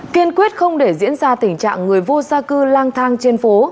kiên quyết không để diễn ra tình trạng người vô gia cư lang thang trên phố